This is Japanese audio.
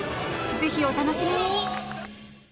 ぜひお楽しみに！